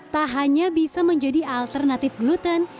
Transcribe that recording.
tak hanya bisa menjadi alternatif gluten